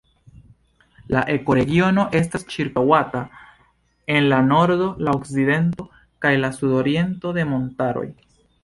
La ekoregiono estas ĉirkaŭata en la nordo, la okcidento kaj la sudoriento de montaroj.